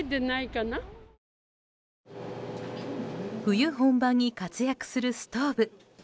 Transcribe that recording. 冬本番に活躍するストーブ。